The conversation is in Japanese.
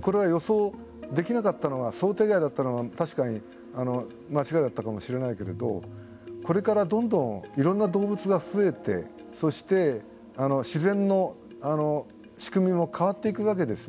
これは予想できなかったのは想定外だったのは確かに間違いだったかもしれないけどこれから、どんどんいろんな動物が増えてそして、自然の仕組みも変わっていくわけですね。